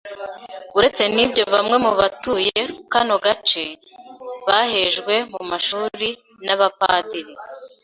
Uretse n’ibyo bamwe mu batuye kano gace bahejwe mu mashuri n’abapadiri